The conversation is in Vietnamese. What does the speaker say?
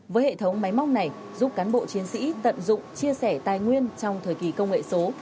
với hệ thống máy móc này giúp cán bộ chiến sĩ tận dụng chia sẻ tài nguyên trong thời kỳ công nghệ số